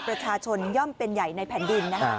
ประชาชนย่อมเป็นใหญ่ในแผ่นดิน